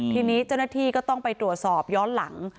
ทีนี้เจ้าหน้าที่ก็ต้องไปตรวจสอบย้อนหลัง